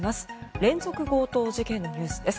連続強盗事件のニュースです。